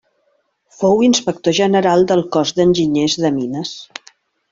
Fou inspector general del Cos d'Enginyers de Mines.